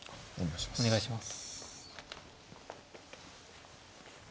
お願いします。